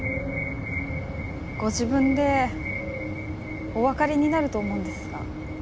ご自分でおわかりになると思うんですが。